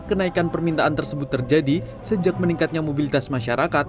kenaikan permintaan tersebut terjadi sejak meningkatnya mobilitas masyarakat